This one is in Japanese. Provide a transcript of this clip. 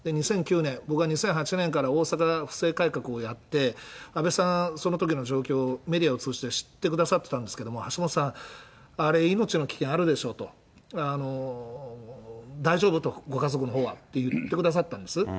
２００９年、僕は２００８年から大阪府政改革をやって、安倍さん、そのときの状況、メディアを通じて知ってくださっていたんですけれども、橋下さん、あれ、命の危険あるでしょ？と、大丈夫？と、ご家族のほうはと言ってくださったんです。